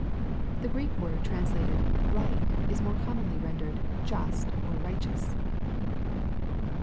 The Greek word translated right," is more commonly rendered "just" or *' righteous."